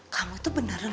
kamu tuh beneran